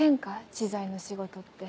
知財の仕事って。